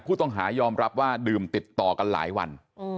ผู้ต้องหายอมรับว่าดื่มติดต่อกันหลายวัน